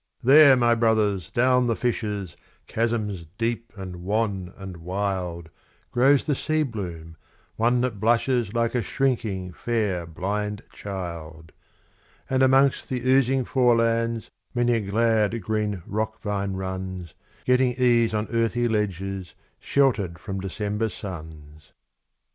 There, my brothers, down the fissures, chasms deep and wan and wild, Grows the sea bloom, one that blushes like a shrinking, fair, blind child; And amongst the oozing forelands many a glad, green rock vine runs, Getting ease on earthy ledges, sheltered from December suns.